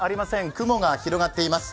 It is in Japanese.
雲が広がっています。